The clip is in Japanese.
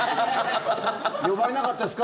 呼ばれなかったですか？